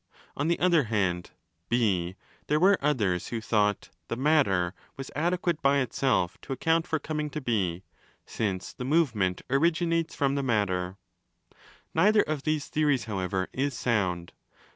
On the other hand (6) there were others who thought 'the matter ' was adequate by itself to account for coming to be, since 'the movement originates from the matter'. Neither of these theories, however, is sound.